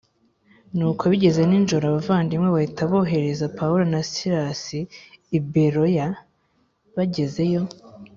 Nuko bigeze nijoro d abavandimwe bahita bohereza Pawulo na Silasi i Beroya bagezeyo